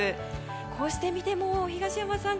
こうして見ても東山さん